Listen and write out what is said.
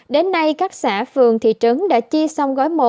đến nay các xã vườn thị trấn đã chi xong gói một